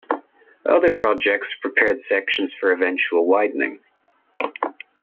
Other projects prepared sections for eventual widening.